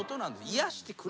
癒やしてくれる。